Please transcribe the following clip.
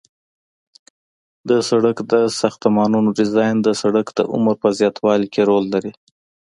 د سرک د ساختمانونو ډیزاین د سرک د عمر په زیاتوالي کې رول لري